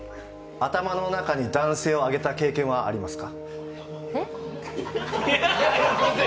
頭の中に男性をあげた経験はありますか？